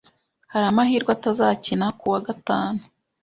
Hari amahirwe atazakina kuwa gatanu.